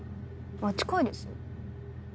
あっ近いです。